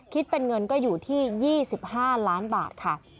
คิดเป็นเงินก็อยู่ที่๒๕ล้านบาทค่ะ